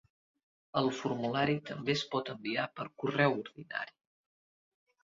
El formulari també es pot enviar per correu ordinari.